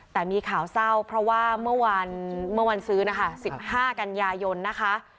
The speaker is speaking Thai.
แต่มีข่าวเศร้าเพราะว่าเมื่อวันซื้อนะคะ๑๕กันยายนนะคะ